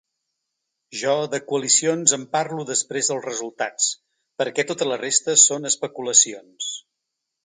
Jo, de coalicions, en parlo després dels resultats, perquè tota la resta són especulacions.